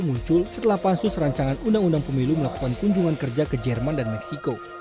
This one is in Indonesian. muncul setelah pansus rancangan undang undang pemilu melakukan kunjungan kerja ke jerman dan meksiko